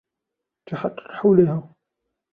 تحقق حولها.